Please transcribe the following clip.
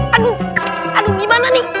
aduh aduh gimana nih